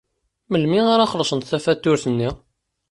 Melmi ara xellṣent tafatuṛt-nni?